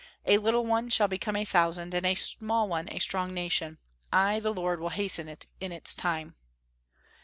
A little one shall become a thousand, and a small one a strong nation: I the Lord will hasten it in its time."